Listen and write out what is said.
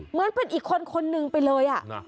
เหมือนเป็นอีกคนคนหนึ่งไปเลย